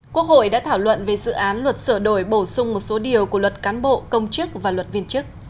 quốc hội đã thảo luận về dự án luật sửa đổi bổ sung một số điều của luật cán bộ công chức và luật viên chức